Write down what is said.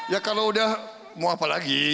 ya kalau udah mau apa lagi